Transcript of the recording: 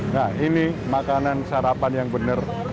nah ini makanan sarapan yang benar